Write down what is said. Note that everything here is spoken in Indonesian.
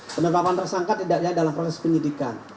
penetapan tersangka tidak hanya dalam proses penyidikan